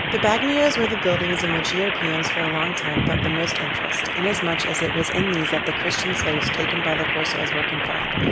The Bagnios were the buildings, in which Europeans for a long time felt the most interest, inasmuch as it was in these that the Christian slaves taken by the corsairs were confined.